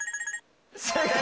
正解。